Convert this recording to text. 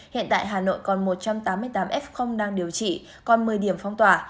hiện tại hà nội còn một trăm tám mươi tám f đang điều trị còn một mươi điểm phong tỏa